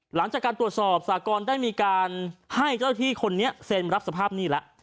หลังจากการตรวจสอบสากรได้มีการให้เจ้าที่คนนี้เซ็นรับสภาพหนี้แล้ว